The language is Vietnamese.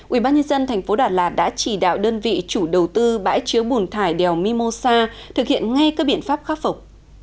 ủy ban nhân dân thành phố đà lạt đã chỉ đạo đơn vị chủ đầu tư bãi chứa bùn thải đèo mimosa thực hiện ngay các biện pháp khắc phục